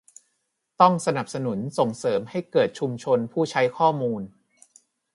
ต้องสนับสนุนส่งเสริมให้เกิดชุมชนผู้ใช้ข้อมูล